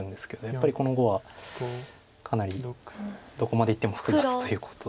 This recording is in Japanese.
やっぱりこの碁はかなりどこまでいっても複雑ということです。